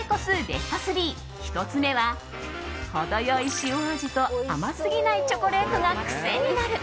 ベスト３、１つ目は程良い塩味と甘すぎないチョコレートが癖になる